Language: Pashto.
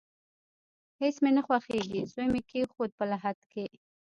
هیڅ مې نه خوښیږي، زوی مې کیښود په لحد کې